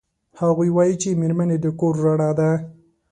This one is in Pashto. هغوی وایي چې میرمنې د کور رڼا ده